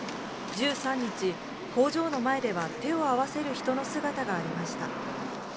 １３日、工場の前では手を合わせる人の姿がありました。